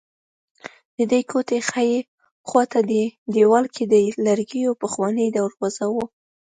ددې کوټې ښي خوا ته دېوال کې د لرګیو پخوانۍ دروازه وه.